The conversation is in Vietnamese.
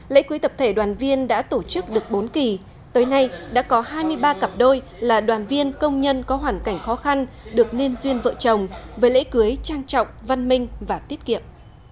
lễ cưới tập thể đoàn viên đã tổ chức được bốn kỳ tới nay đã có hai mươi ba cặp đôi là đoàn viên công nhân có hoàn cảnh khó khăn được liên duyên vợ chồng với lễ cưới trang trọng văn minh và tiết kiệm